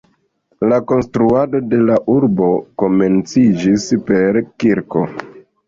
La konstruado de la urbo komenciĝis per kirko.